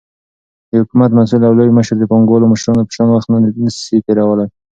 دحكومت مسؤل او لوى مشر دپانگوالو مشرانو په شان وخت نسي تيرولاى،